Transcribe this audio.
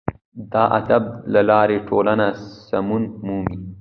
د ادب له لارې ټولنه سمون مومي.